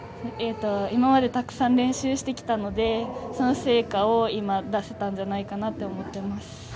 今までたくさん練習してきたので、その成果を今出せたんじゃないかなと思っています。